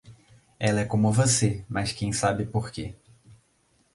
Ela é como você, mas quem sabe porque.